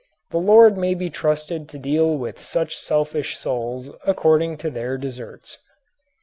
The Lord may be trusted to deal with such selfish souls according to their deserts.